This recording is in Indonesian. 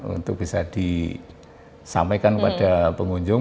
untuk bisa disampaikan kepada pengunjung